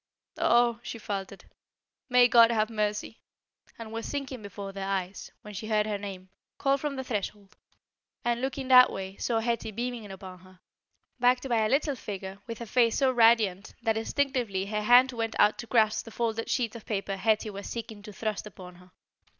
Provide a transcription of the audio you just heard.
"Oh!" she faltered, "may God have mercy!" and was sinking before their eyes, when she heard her name, called from the threshold, and, looking that way, saw Hetty beaming upon her, backed by a little figure with a face so radiant that instinctively her hand went out to grasp the folded sheet of paper Hetty was seeking to thrust upon her.